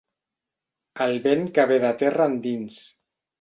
El vent que ve de terra endins.